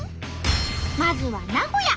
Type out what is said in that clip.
まずは名古屋。